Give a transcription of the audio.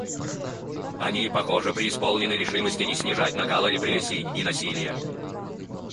Они, похоже, преисполнены решимости не снижать накала репрессий и насилия.